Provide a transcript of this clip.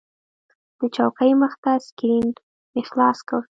د چوکۍ مخې ته سکرین مې خلاص کړ.